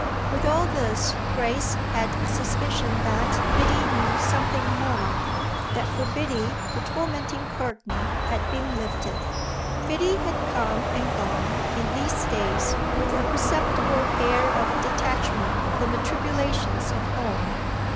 With all this Grace had a suspicion that Biddy knew something more, that for Biddy the tormenting curtain had been lifted. Biddy had come and gone in these days with a perceptible air of detachment from the tribulations of home.